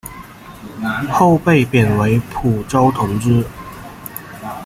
后被贬为蒲州同知。